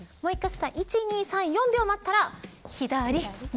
１、２、３、４秒待ったら左、右。